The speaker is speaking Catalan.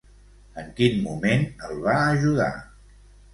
En quin moment el va ajudar?